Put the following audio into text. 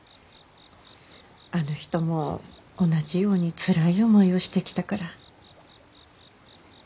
あの人も同じようにつらい思いをしてきたから。